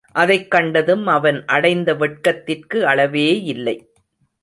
அதைக் கண்டதும் அவன் அடைந்த வெட்கத்திற்கு அளவேயில்லை.